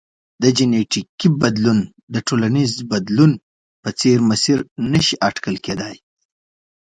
جنیټیکي بدلون د ټولنیز بدلون په څېر مسیر نه شي اټکل کېدای.